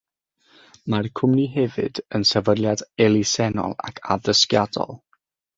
Mae'r Cwmni hefyd yn sefydliad elusennol ac addysgiadol.